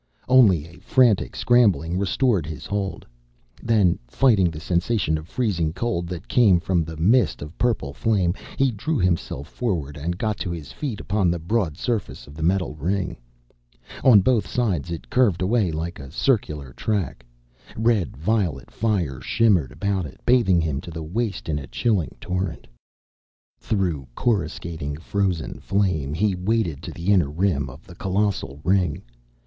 Only a frantic scrambling restored his hold. Then, fighting the sensation of freezing cold that came from the mist of purple flame, he drew himself forward and got to his feet upon the broad surface of the metal ring. On both sides it curved away like a circular track. Red violet fire shimmered about it, bathing him to the waist in a chilling torrent. Through coruscating frozen flame he waded to the inner rim of the colossal ring.